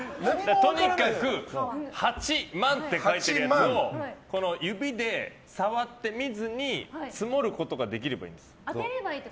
とにかく八萬って書いてあるやつを指で触って見ずにツモることができればいいです。